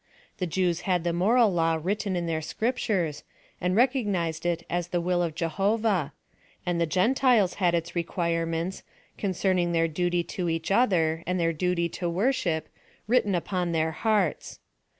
The Jews had the moral law written in their scriptures, and recogni sed it as the will of Jehovah ; and the Gentiles had its requirements, concerning their duty to each other, and their duty to worship, written upon their hearts.